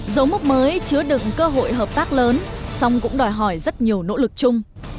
dấu mốc mới chứa đựng cơ hội hợp tác lớn song cũng đòi hỏi rất nhiều nỗ lực chung